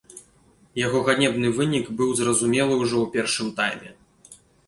Яго ганебны вынік быў зразумелы ўжо ў першым тайме.